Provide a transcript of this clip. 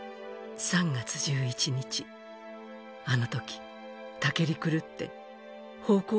３月１１日あの時、たけり狂ってほう